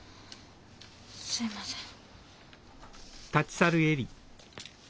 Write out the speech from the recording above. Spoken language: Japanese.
すいません。